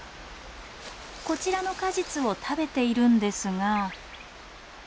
こちらの果実を食べているんですが。